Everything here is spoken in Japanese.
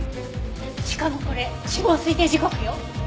しかもこれ死亡推定時刻よ。